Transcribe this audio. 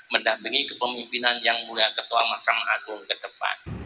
mendampingi kepemimpinan yang mulia ketua mahkamah agung ke depan